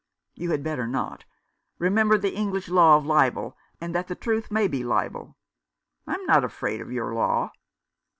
"You had better not. Remember the English law of libel, and that the truth may be libel." " I'm not afraid of your law."